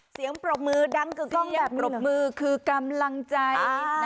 เสียงปรบมือดังกึกกล้องแบบนึงเสียงปรบมือคือกำลังใจนะ